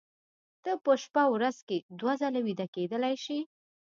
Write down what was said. ته په شپه ورځ کې دوه ځله ویده کېدلی شې